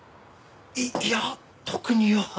いいや特には。